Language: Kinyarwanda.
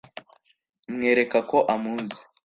mwereka ko amuzi